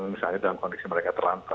misalnya dalam kondisi mereka terlampau